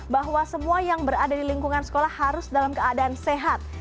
bahwa semua yang berada di lingkungan sekolah harus dalam keadaan sehat